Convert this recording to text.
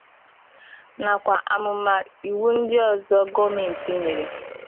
nakwa amụma iwu ndị ọzọ gọọmenti nyere